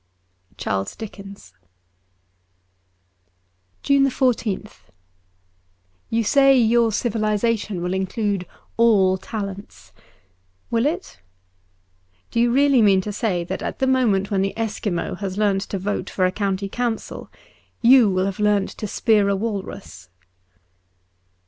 ' Charles Dickgns.' 182 JUNE 14th YOU say your civilization will include all talents. Will it ? Do you really mean to say that at the moment when the Esquimaux has learnt to vote for a County Council, you will have learnt to spear a walrus